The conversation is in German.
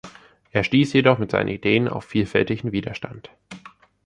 Er stieß jedoch mit seinen Ideen auf vielfältigen Widerstand.